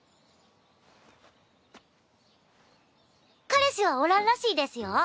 彼氏はおらんらしいですよ。